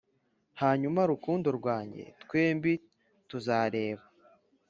hanyuma, rukundo rwanjye, twembi tuzareba